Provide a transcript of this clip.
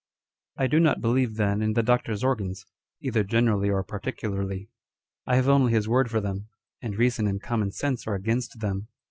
I do not believe, then, in the Doctor's organs, either generally or particularly. I have only his word for them ; and reason and common sense are against them.